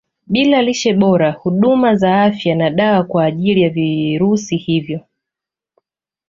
Bila lishe bora huduma za afya na dawa kwa ajili ya virusi hivo